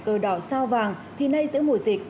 cơ đỏ sao vàng thì nay giữa mùa dịch